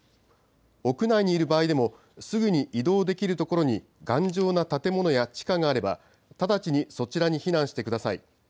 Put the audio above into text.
屋内にいる場合でも、すぐに移動できる所に頑丈な建物や地下があれば、直ちにそちらに避難してください。